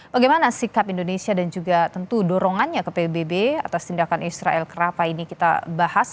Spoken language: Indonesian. bagaimana sikap indonesia dan juga tentu dorongannya ke pbb atas tindakan israel kenapa ini kita bahas